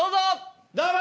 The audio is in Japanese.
どうも！